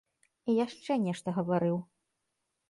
І яшчэ нешта гаварыў.